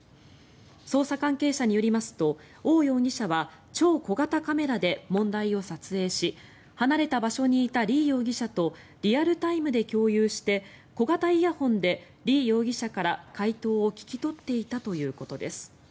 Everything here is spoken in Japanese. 捜査関係者によりますとオウ容疑者は超小型カメラで問題を撮影し離れた場所にいたリ容疑者とリアルタイムで共有して小型イヤホンでリ容疑者から解答を聞き取っていたということです。